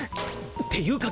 っていうか